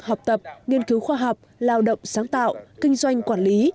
học tập nghiên cứu khoa học lao động sáng tạo kinh doanh quản lý